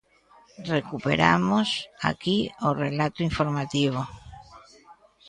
Recuperamos aquí o relato informativo.